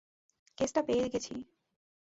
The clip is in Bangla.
কেসটা পেয়ে গেছি।